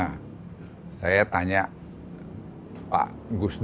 kemudian dkpp juga memberikan sanksi pelanggaran etik kepada ketua mk anwar usman